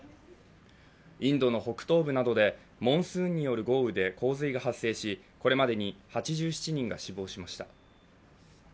インドの北東部などでモンスーンによる豪雨で洪水が発生しこれまでに８７人が死亡しました。